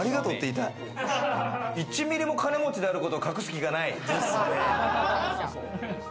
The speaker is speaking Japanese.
１ミリも金持ちであることを隠す気がない。